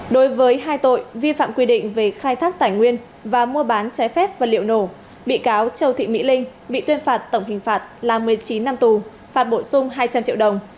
đối với hai tội vi phạm quy định về khai thác tài nguyên và mua bán trái phép vật liệu nổ bị cáo châu thị mỹ linh bị tuyên phạt tổng hình phạt là một mươi chín năm tù phạt bổ sung hai trăm linh triệu đồng